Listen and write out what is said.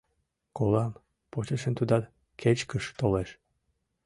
Колам: почешем тудат кечкыж толеш.